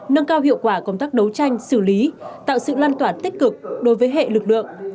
nâng cao hiệu quả công tác đấu tranh xử lý tạo sự lan tỏa tích cực đối với hệ lực lượng